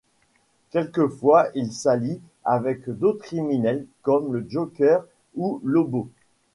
Quelquefois, il s'allie avec d'autres criminels, comme le Joker ou Lobo.